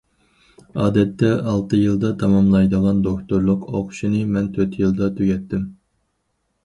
ئادەتتە ئالتە يىلدا تاماملايدىغان دوكتورلۇق ئوقۇشىنى مەن تۆت يىلدا تۈگەتتىم.